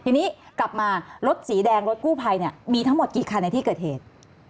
ทีนี้กลับมารถสีแดงรถกู้ภัยเนี่ยมีทั้งหมดกี่คันในที่เกิดเหตุ